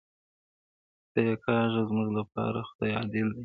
• ته یې کاږه زموږ لپاره خدای عادل دی,